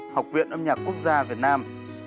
học viện âm nhạc quốc gia việt nam